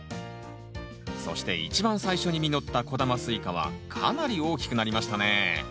そして一番最初に実った小玉スイカはかなり大きくなりましたね